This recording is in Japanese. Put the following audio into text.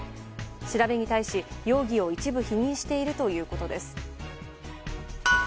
調べに対し容疑を一部否認しているということです。